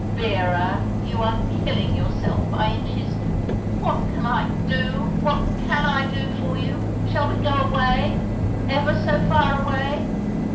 "Vera, you are killing yourself by inches. What can I do? What can I do for you? Shall we go away? Ever so far away?